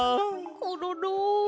コロロ。